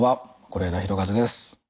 是枝裕和です。